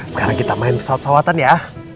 sekarang kita main pesawat sawatan ya